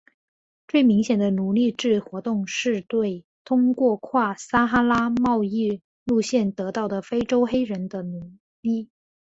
最明显的奴隶制活动是对通过跨撒哈拉贸易路线得到的非洲黑人的奴役。